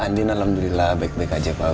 andin alhamdulillah baik baik aja pak